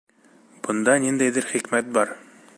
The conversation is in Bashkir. Бында ниндәйҙер хикмәт бар.